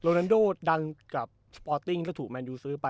โรนันโดอ่อดันกับบอร์ตริ้งก็ถูกแมร์นอยูซื้อไป